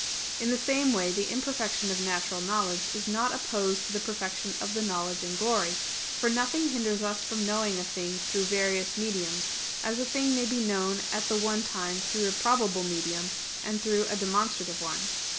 In the same way, the imperfection of natural knowledge is not opposed to the perfection of the knowledge in glory; for nothing hinders us from knowing a thing through various mediums, as a thing may be known at the one time through a probable medium and through a demonstrative one.